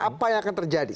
apa yang akan terjadi